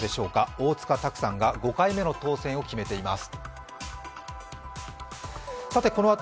大塚拓さんが５回目の当選を決めています。